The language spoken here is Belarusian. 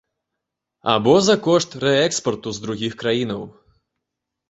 Або за кошт рээкспарту з другіх краінаў.